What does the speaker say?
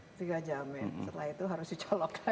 setelah itu harus dicolok lagi